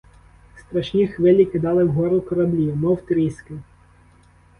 Страшні хвилі кидали вгору кораблі, мов тріски.